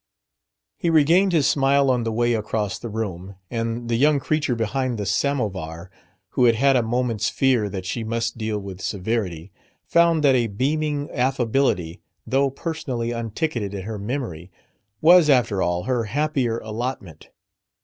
He regained his smile on the way across the room, and the young creature behind the samovar, who had had a moment's fear that she must deal with Severity, found that a beaming Affability though personally unticketed in her memory was, after all, her happier allotment.